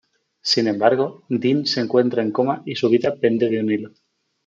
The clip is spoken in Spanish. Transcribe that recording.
Sin embargo, Dean se encuentra en coma y su vida pende de un hilo.